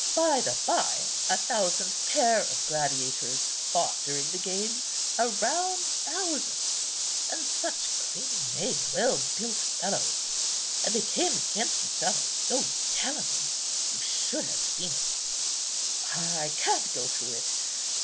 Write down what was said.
By the bye, a thousand pair of gladiators fought during the games—a round thousand, and such clean made, well built fellows, and they came against each other so gallantly! You should have seen it; I can't go through it.